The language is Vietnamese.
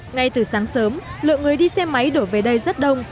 ngay từ sáng sớm lượng người đi xe máy đổ về đây rất đông